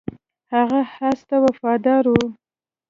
هغه اس ته وفادار و.